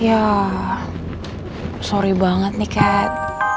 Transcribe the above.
ya sorry banget nih cat